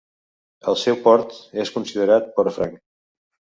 El seu port és considerat port franc.